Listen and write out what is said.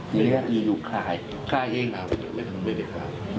ทีนี้อีกขายขายเอง